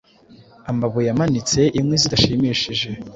amabuye amanitse inkwi zidashimishije